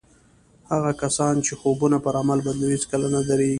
هغه کسان چې خوبونه پر عمل بدلوي هېڅکله نه درېږي.